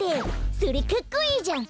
それかっこいいじゃん！